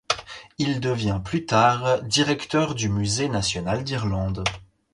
Il devient plus tard directeur du Musée national d'Irlande.